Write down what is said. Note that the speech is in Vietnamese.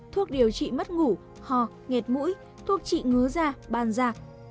thuốc điều trị mất ngủ hò nghẹt mũi thuốc trị ngứa da ban giạc